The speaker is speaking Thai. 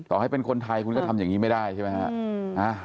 ต่อให้เป็นคนไทยคุณก็ทำอย่างนี้ไม่ได้ใช่ไหมฮะ